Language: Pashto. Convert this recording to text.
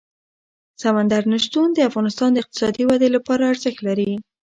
سمندر نه شتون د افغانستان د اقتصادي ودې لپاره ارزښت لري.